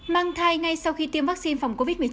mang thai ngay sau khi tiêm vaccine phòng covid một mươi chín